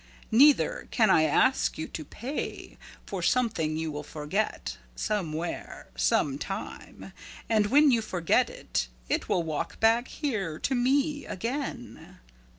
Neither can I ask you to pay, for something you will forget, somewhere sometime, and when you forget it, it will walk back here to me again.